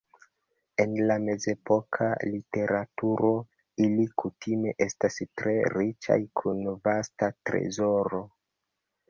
En la mezepoka literaturo, ili kutime estas tre riĉaj kun vasta trezoro.